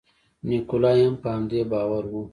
نیکولای هم په همدې باور و.